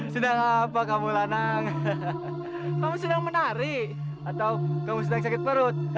sampai jumpa di video selanjutnya